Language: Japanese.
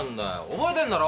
覚えてんだろ？